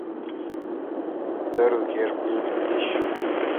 دروکیر پیل اتش۔